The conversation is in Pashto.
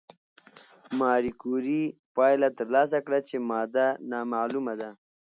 ماري کوري پایله ترلاسه کړه چې ماده نامعلومه ده.